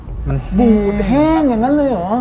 มันบูดแห้งอย่างนั้นเลยเหรอ